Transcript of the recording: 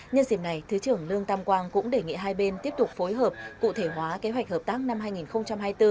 nhân dịp này thứ trưởng lương tam quang cũng đề nghị hai bên tiếp tục phối hợp cụ thể hóa kế hoạch hợp tác năm hai nghìn hai mươi bốn